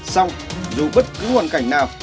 xong dù bất cứ hoàn cảnh nào